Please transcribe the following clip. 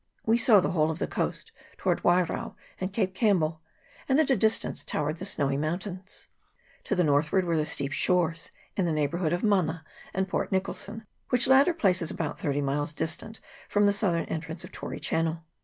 We saw the whole of the coast towards Wairao and Cape Campbell, and at a dis tance towered the Snowy Mountains. To the north VOL. i. F 66 WHALES AND WHALERS. [PART I. ward were the steep shores in the neighbourhood of Mana and Port Nicholson, which latter place is about thirty miles distant from the southern entrance of Tory Channel.